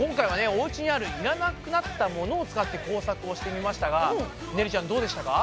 おうちにあるいらなくなったものを使って工作をしてみましたがねるちゃんどうでしたか？